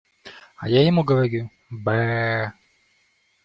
А я ему говорю: «Бэ-э!»